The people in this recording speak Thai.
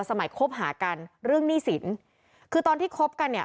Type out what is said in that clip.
คบหากันเรื่องหนี้สินคือตอนที่คบกันเนี่ย